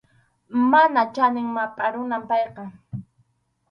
Mana chanin mapʼa runam payqa.